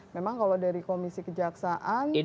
memang kalau dari komisi kejaksaan